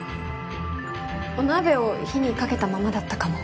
お鍋を火にかけたままだったかも。